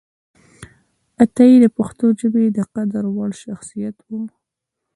عطایي د پښتو ژبې د قدر وړ شخصیت و